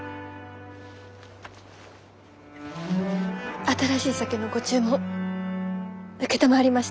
新しい酒のご注文承りました。